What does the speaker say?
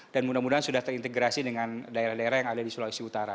dan mudah mudahan sudah terintegrasi dengan daerah daerah yang ada di sulawesi utara